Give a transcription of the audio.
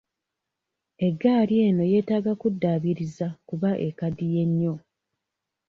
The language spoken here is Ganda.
Eggaali eno yeetaaga kuddaabiriza kuba ekaddiye nnyo.